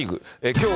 きょう、